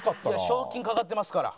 賞金懸かってますから。